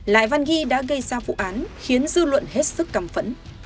lại văn ghi đã gây ra vụ án khiến dư luận hết sức cằm phẫn